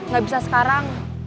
gak bisa sekarang